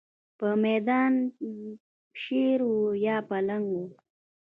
پر مېدان شېر و یا پلنګ و.